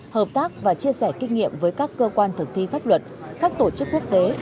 hợp tác và chia sẻ kinh nghiệm với các cơ quan thực thi pháp luật các tổ chức quốc tế